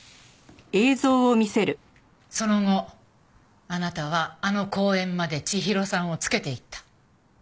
その後あなたはあの公園まで千尋さんをつけていった。